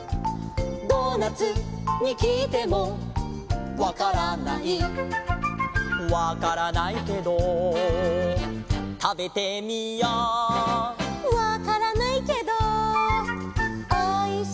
「ドーナツにきいてもわからない」「わからないけどたべてみよう」「わからないけどおいしいね」